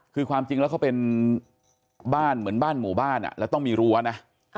คือความจริงแล้วเขาเป็นบ้านเหมือนบ้านหมู่บ้านแล้วต้องมีรั้วนะ